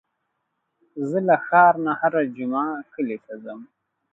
زه له ښار نه هره جمعه کلي ته ځم.